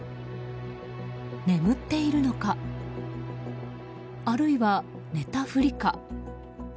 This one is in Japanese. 眠っているのかあるいは寝たふりか。